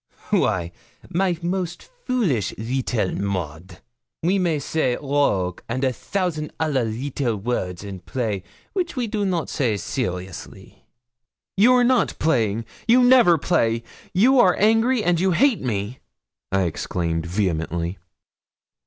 'Why, my most foolish little Maud, we may say rogue, and a thousand other little words in play which we do not say seriously.' 'You are not playing you never play you are angry, and you hate me,' I exclaimed, vehemently.